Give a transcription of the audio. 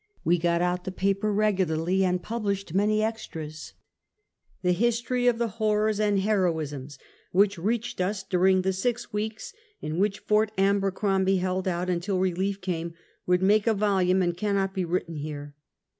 We got out the paper regularly, and pub lished many extras. The history of the horrors and heroisms which reached us during the six weeks in which Ft. Aber crombie held out until relief came, would make a vol ume, and cannot be written here.